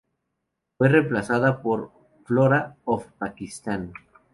Fue reemplazada por "Flora of Pakistan".